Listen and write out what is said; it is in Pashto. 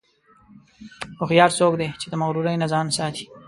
هوښیار څوک دی چې د مغرورۍ نه ځان ساتي.